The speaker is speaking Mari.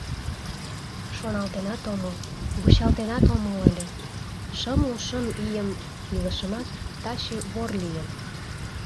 Шоналтенат омыл, вучалтенат омыл ыле — шымлу шым ийым илышымат, таче вор лийым.